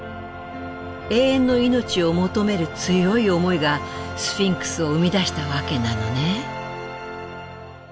永遠の命を求める強い思いがスフィンクスを生み出したわけなのね。